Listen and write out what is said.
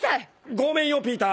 ごめんよピーター。